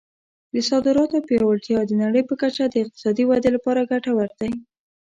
د صادراتو پیاوړتیا د نړۍ په کچه د اقتصادي ودې لپاره ګټور دی.